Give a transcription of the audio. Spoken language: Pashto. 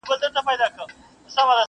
دا حلال به لا تر څو پر موږ حرام وي.